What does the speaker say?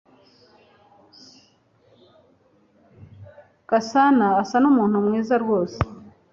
Gasana asa nkumuntu mwiza rwose.